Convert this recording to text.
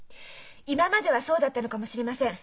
今まではそうだったのかもしれません。